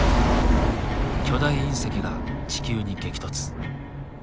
巨大隕石が地球に激突。